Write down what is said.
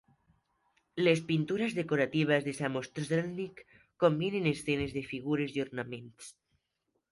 Les pintures decoratives de Samostrzelnik combinen escenes de figures i ornaments.